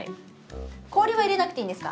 氷は入れなくていいんですか？